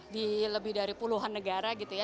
di lebih dari puluhan negara gitu ya